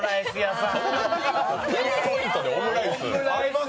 ピンポイントでオムライス？